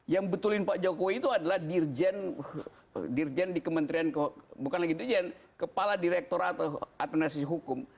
yang betulin pak jokowi itu adalah dirjen di kementerian bukan lagi dirjen kepala direktorat adminasi hukum